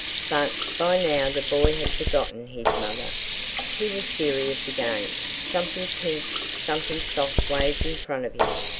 But by now the boy had forgotten his mother. He was serious again. Something pink, something soft waved in front of him.